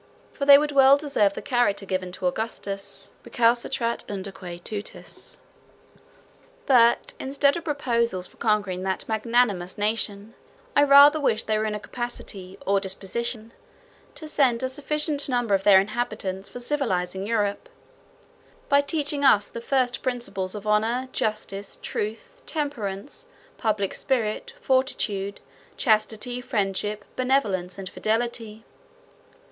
For they would well deserve the character given to Augustus, Recalcitrat undique tutus. But, instead of proposals for conquering that magnanimous nation, I rather wish they were in a capacity, or disposition, to send a sufficient number of their inhabitants for civilizing Europe, by teaching us the first principles of honour, justice, truth, temperance, public spirit, fortitude, chastity, friendship, benevolence, and fidelity.